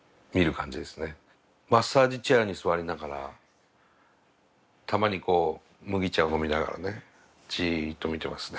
マッサージチェアに座りながらたまにこう麦茶を飲みながらねじっと見てますね。